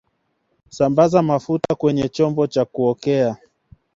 sambaza mafuta kweye chombo cha kuokea